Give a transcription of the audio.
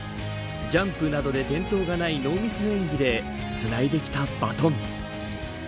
ジャンプなどで転倒のないノーミスの演技でつないできたバトン。